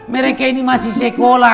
mereka ini masih sekolah